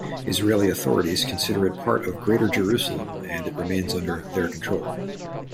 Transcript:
Israeli authorities consider it part of Greater Jerusalem, and it remains under their control.